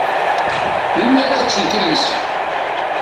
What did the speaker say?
Melmi ara teččent imensi?